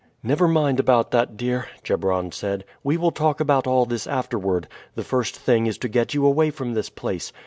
"Never mind about that, dear," Chebron said; "we will talk about all this afterward. The first thing is to get you away from this place.